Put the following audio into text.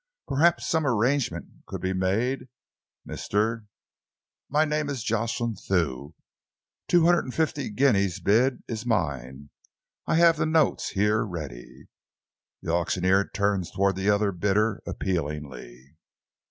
"Perhaps some arrangement could be made, Mr. " "My name is Jocelyn Thew. The two hundred and fifty guineas bid is mine. I have the notes here ready." The auctioneer turned towards the other bidder appealingly.